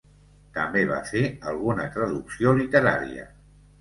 També va fer alguna traducció literària.